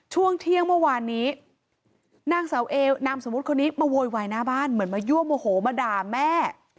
ช่วงเที่ยงเมื่อวานนี้นางเสาเอนามสมมุติคนนี้มาโวยวายหน้าบ้านเหมือนมายั่วโมโหมาด่าแม่